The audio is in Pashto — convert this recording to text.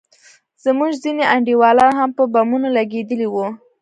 زموږ ځينې انډيوالان هم په بمونو لگېدلي وو.